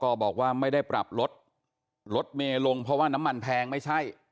ขอสมกบอกว่าไม่ได้ปรับรถเมลงลดเพราะว่าน้ำมันแพงไม่ใช่